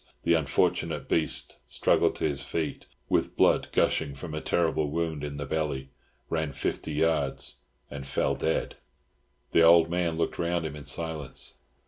The unfortunate beast struggled to his feet, with blood gushing from a terrible wound in the belly, ran fifty yards, and fell dead. The old man looked round him in silence.